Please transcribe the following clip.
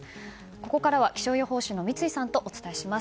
ここからは気象予報士の三井さんとお伝えします。